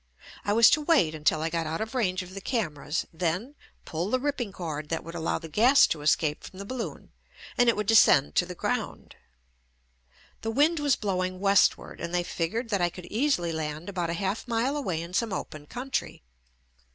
I was to wait until I got out of range of the cameras, then pull the ripping cord that would allow the gas to escape from the balloon and it would descend to the ground. The wind was blowing westward and they figured that I could easily land about a half mile away in some open country.